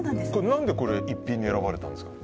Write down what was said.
何でこれ逸品に選ばれたんですか？